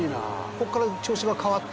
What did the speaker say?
ここから調子が変わって。